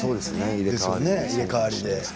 入れ代わりで。